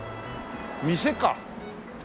店か！